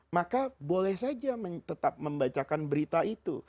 maka boleh saja tetap membacakan berita itu